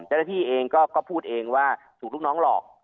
เจ้าหน้าที่เองก็พูดเองว่าถูกลูกน้องหลอก